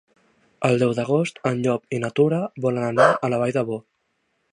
El deu d'agost en Llop i na Tura volen anar a la Vall d'Ebo.